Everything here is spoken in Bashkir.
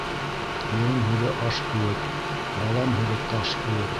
Ирем һүҙе аш кеүек, балам һүҙе таш кеүек.